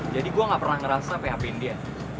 jadi gue gak pernah ngerasa php in dia